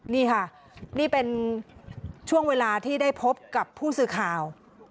นี่ค่ะนี่เป็นช่วงเวลาที่ได้พบกับผู้สื่อข่าว